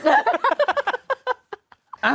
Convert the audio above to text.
ฮ่า